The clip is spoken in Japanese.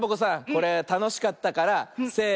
これたのしかったからせの。